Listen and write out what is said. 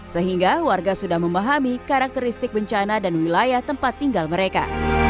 sehingga warga sudah memahami karakteristik bencana dan wilayah tempat tinggal mereka